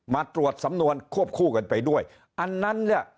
มาตรวจสำนวนควบคู่กันไปด้วยอันนั้นเนี่ย